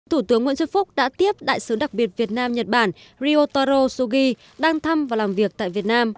thủ tướng nguyễn xuân phúc đã tiếp đại sứ đặc biệt việt nam nhật bản riotaro sugi đang thăm và làm việc tại việt nam